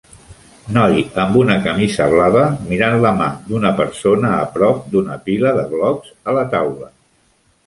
Noi amb una camisa blava mirant la mà d"una persona a prop d"una pila de blocs a la taula.